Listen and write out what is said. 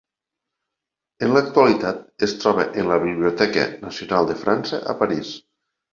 En l'actualitat es troba en la Biblioteca Nacional de França a París.